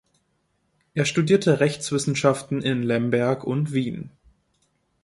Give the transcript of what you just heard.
Er studierte Rechtswissenschaften in Lemberg und Wien.